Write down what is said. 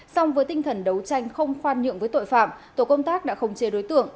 song với tinh thần đấu tranh không khoan nhượng với tội phạm tổ công tác đã không chế đối tượng